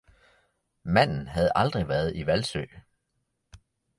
Manden havde aldrig været i Hvalsø